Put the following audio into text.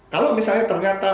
kalau misalnya ternyata